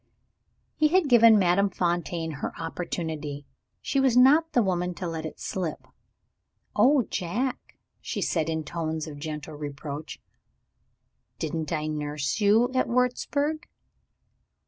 He had given Madame Fontaine her opportunity. She was not the woman to let it slip. "Oh, Jack!" she said, in tones of gentle reproach, "didn't I nurse you at Wurzburg?"